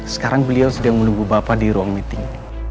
sekarang beliau sedang menunggu bapak di ruang meeting